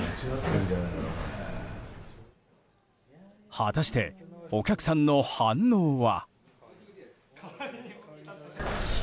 果たしてお客さんの反応は。